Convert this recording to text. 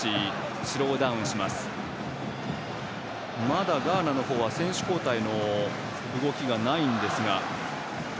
まだガーナの方は選手交代の動きがないんですが。